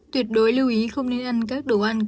tuyệt đối lưu ý không nên ăn các đồ ăn